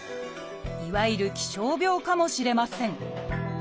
いわゆる「気象病」かもしれません。